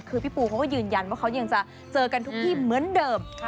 คือพี่ปูเขาก็ยืนยันว่าเขายังจะเจอกันทุกที่เหมือนเดิม